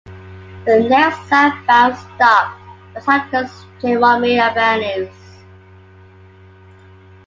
The next southbound stop was Anderson-Jerome Avenues.